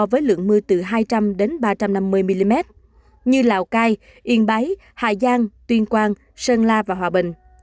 với lượng mưa từ hai trăm linh ba trăm năm mươi mm như lào cai yên bái hà giang tuyên quang sơn la và hòa bình